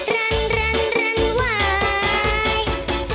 รันวาย